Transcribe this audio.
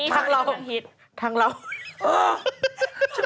เป็นอะไรติดกิ๊บ